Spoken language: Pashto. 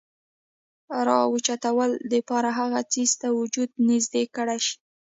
راوچتولو د پاره هغه څيز ته وجود نزدې کړے شي ،